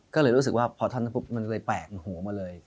ก็เลยรู้สึกว่าพอทันแล้วปุ๊บมันเลยแปลกหนึ่งหัวมาเลย